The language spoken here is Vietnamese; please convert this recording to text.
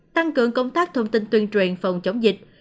tăng cường công tác thông tin tuyên truyền phòng chống dịch